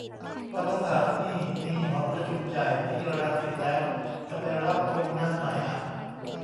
ธรรมศาสตร์นี่มีหอประชุมใหญ่ที่รังสิตแล้ว จะไปรับตรงนั้นไหมอะ